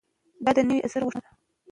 دا د نوي عصر غوښتنه ده.